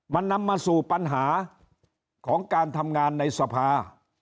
มันนำมาสู่ปัญหาของการทำงานในสภา